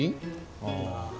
ああ。